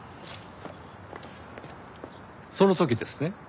その時ですね。